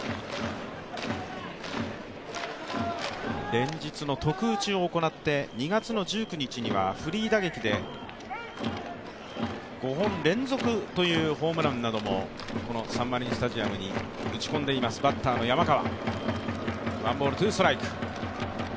連日の特打を行って２月１９日にはフリー打撃で５本連続というホームランなどもサンマリンスタジアムに打ち込んでいます、バッターの山川。